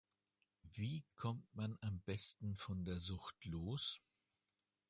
Wie kommt man am besten von der Sucht los?